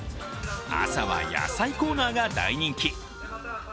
朝は野菜コーナーが大人気。